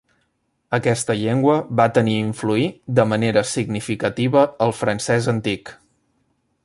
Aquesta llengua va tenir influir de manera significativa el francès antic.